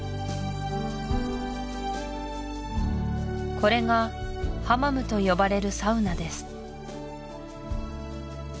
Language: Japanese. これが「ハマム」と呼ばれるサウナです